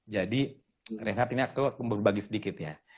jadi renhard ini aku berbagi sedikit ya